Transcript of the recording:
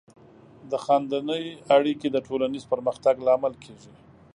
د خاندنۍ اړیکې د ټولنیز پرمختګ لامل کیږي.